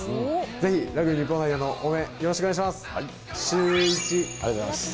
ぜひ、ラグビー日本代表の応援、よろしくお願いします。